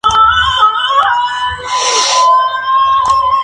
La vivienda todavía conserva la estructura original de cuando era habitada por ellos.